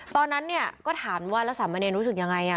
ตอนนั้นเนี่ยก็ถามว่าแล้วสามเณรรู้สึกยังไง